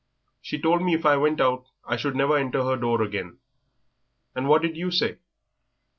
"She told me if I went out, I should never enter her door again." "And what did you say?"